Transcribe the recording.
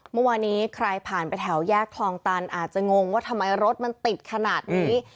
เมื่อวานี้ใครผ่านไปแถวแยกคลองตันอาจจะงงว่าทำไมรถมันติดขนาดนี้